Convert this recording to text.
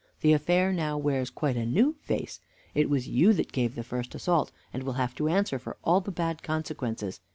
The affair now wears quite a new face. It was you that gave the first assault, and will have to answer for all the bad consequences.